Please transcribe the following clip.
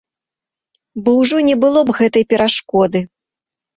Бо ўжо не было б гэтай перашкоды.